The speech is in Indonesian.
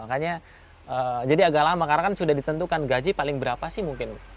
makanya jadi agak lama karena kan sudah ditentukan gaji paling berapa sih mungkin